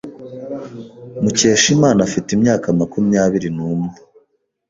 Mukeshimana afite imyaka makumyabiri numwe